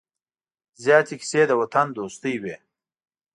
زیاتې کیسې د وطن دوستۍ وې.